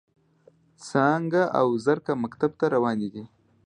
څانګه او زرکه مکتب ته روانې دي.